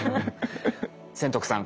千徳さん